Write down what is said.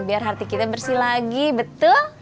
biar hati kita bersih lagi betul